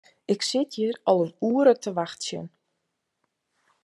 Ik sit hjir al in oere te wachtsjen.